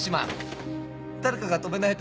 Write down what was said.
誰かが止めないと。